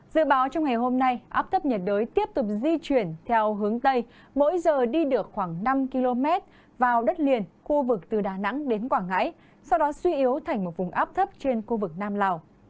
dự báo trong ngày hôm nay áp thấp nhiệt đới tiếp tục di chuyển theo hướng tây mỗi giờ đi được khoảng năm km vào đất liền khu vực từ đà nẵng đến quảng ngãi sau đó suy yếu thành một vùng áp thấp trên khu vực nam lào